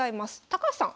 高橋さん